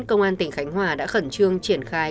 công an tỉnh khánh hòa đã khẩn trương triển khai